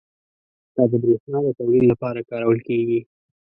دا د بریښنا د تولید لپاره کارول کېږي.